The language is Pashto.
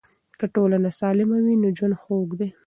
که ټولنه سالمه وي نو ژوند خوږ دی.